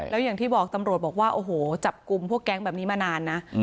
แล้วอย่างที่บอกตำรวจบกุมพวกแก๊งแบบนี้มานานนะ